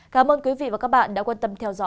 cảm ơn quý vị và các bạn đã quan tâm